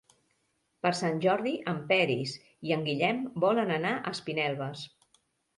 Per Sant Jordi en Peris i en Guillem volen anar a Espinelves.